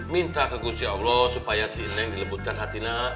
minta ke gusti allah supaya si neng dilebutkan hati nak